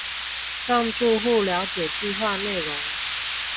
讓住戶瞭解計畫內容